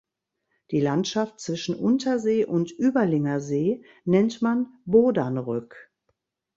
Die Landschaft zwischen Untersee und Überlinger See nennt man Bodanrück.